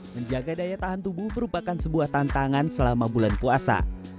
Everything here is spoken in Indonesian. menjaga daya tahan tubuh merupakan sebuah tantangan selama bulan puasa